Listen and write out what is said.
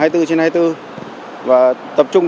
hai mươi bốn trên hai mươi bốn và tập trung